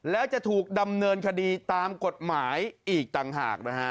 แล้วจะถูกดำเนินคดีตามกฎหมายอีกต่างหากนะฮะ